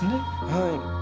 はい。